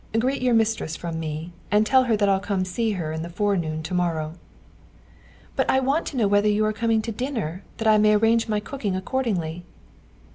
Greet your mistress from me, and tell her that I'll come and see her in the forenoon to morrow." "But I want to know whether you are coming to dinner, that I may arrange my cooking accordingly."